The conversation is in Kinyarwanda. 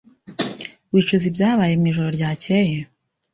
Wicuza ibyabaye mwijoro ryakeye?